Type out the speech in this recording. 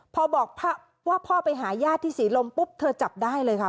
พอบอกว่าพ่อไปหาญาติที่ศรีลมปุ๊บเธอจับได้เลยค่ะ